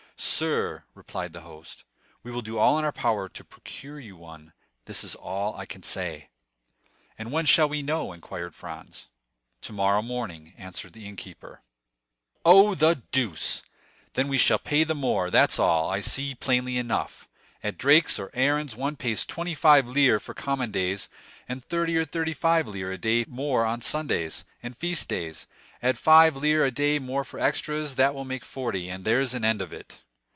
"Sir," replied the host, "we will do all in our power to procure you one—this is all I can say." "And when shall we know?" inquired Franz. "Tomorrow morning," answered the innkeeper. "Oh, the deuce! then we shall pay the more, that's all, I see plainly enough. At Drake's or Aaron's one pays twenty five lire for common days, and thirty or thirty five lire a day more for Sundays and feast days; add five lire a day more for extras, that will make forty, and there's an end of it."